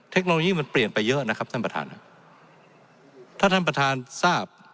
เทคโนโลยีมันเปลี่ยนไปเยอะนะครับท่านประธานครับถ้าท่านประธานทราบ